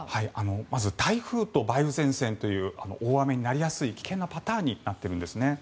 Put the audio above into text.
まず台風と梅雨前線という大雨になりやすい危険なパターンになっているんですね。